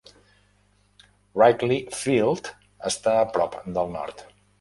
Wrigley Field està a prop del nord.